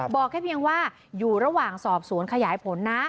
บอกแค่เพียงว่าอยู่ระหว่างสอบสวนขยายผลนะ